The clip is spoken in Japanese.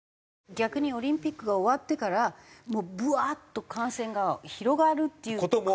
逆にオリンピックが終わってからもうブワーッと感染が広がるっていう。